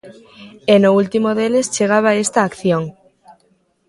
E no último deles chegaba esta acción.